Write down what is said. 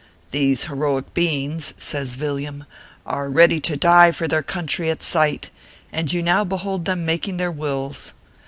These heroic beings," says Villiam, " are ready to die for their country at sight, and you now behold them making their wills.